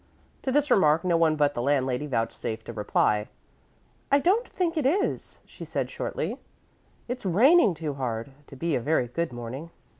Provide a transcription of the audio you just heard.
To this remark no one but the landlady vouchsafed a reply. "I don't think it is," she said, shortly. "It's raining too hard to be a very good morning."